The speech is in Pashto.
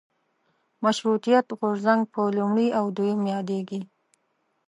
مشروطیت غورځنګ په لومړي او دویم یادېږي.